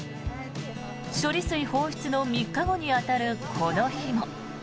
処理水放出の３日後に当たるこの日も。